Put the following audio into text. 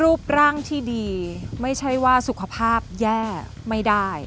รูปร่างที่ดีไม่ใช่ว่าสุขภาพแย่ไม่ได้